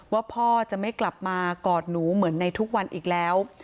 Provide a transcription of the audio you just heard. ว่าพ่อจะไม่กลับมากอดหนูเหมือนในทุกวันอีกแล้ว